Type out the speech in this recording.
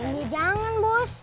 ini jangan bos